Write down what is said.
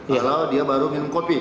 kalau dia baru minum kopi